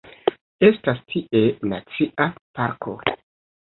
Estas tie nacia parko.